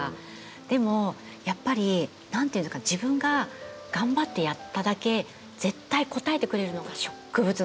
でもやっぱり何ていうんですか自分が頑張ってやっただけ絶対応えてくれるのが植物なんですよ。